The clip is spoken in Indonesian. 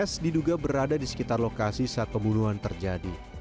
s diduga berada di sekitar lokasi saat pembunuhan terjadi